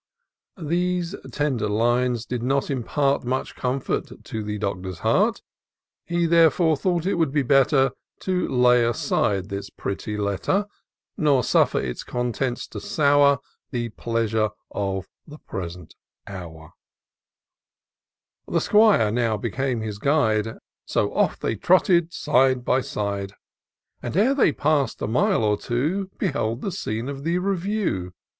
These tender lines did not impart Much comfort to the Doctor's heart ; He therefore thought it would be better To lay aside this pretty letter ; Nor suffer its contents to sour The pleasure of the present hour. IN SEARCH OF THE PICTURESUUE. 117 The 'Squire now became his guide, So off they trotted, side by side ; And, ere they pass'd a mile or two,^ Beheld the scene of the review.